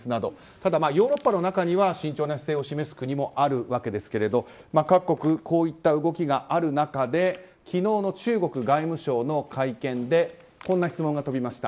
ただ、ヨーロッパの中には慎重な姿勢を示す国もあるわけですけれど各国、こういった動きがある中で昨日の中国外務省の会見でこんな質問が飛びました。